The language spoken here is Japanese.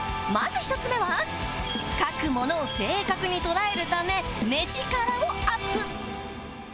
まず１つ目は描くものを正確に捉えるため目力をアップ